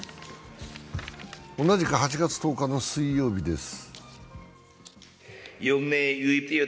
同じく８月１０日の水曜日です